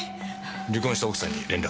離婚した奥さんに連絡。